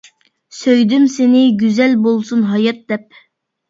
سۆيدۈم سىنى، گۈزەل بولسۇن ھايات دەپ.